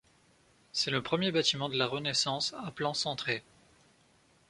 C'est le premier bâtiment de la Renaissance à plan centré.